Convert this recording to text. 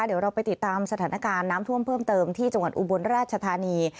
เดี๋ยวเราไปติดตามสถานการณ์น้ำท่วมเพิ่มเติมที่จังหวัดอุบลราชธานี